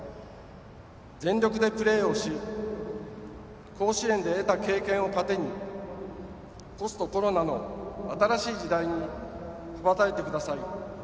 全力でプレーをし甲子園で得た経験を糧にポストコロナの新しい時代に羽ばたいてください。